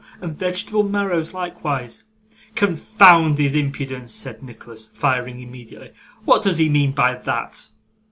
And vegetable marrows likewise.' 'Confound his impudence!' said Nicholas, firing immediately. 'What does he mean by that?